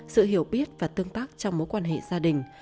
sự hiểu biết và tương tác trong mối quan hệ gia đình